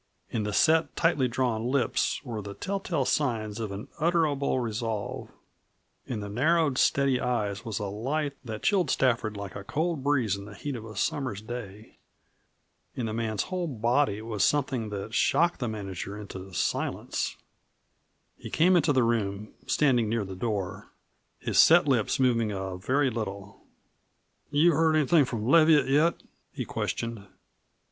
In the set, tightly drawn lips were the tell tale signs of an utterable resolve. In the narrowed, steady eyes was a light that chilled Stafford like a cold breeze in the heat of a summer's day. In the man's whole body was something that shocked the manager into silence. He came into the room, standing near the door, his set lips moving a very little, "You heard anything from Leviatt yet?" he questioned.